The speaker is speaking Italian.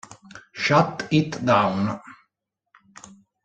Shut It Down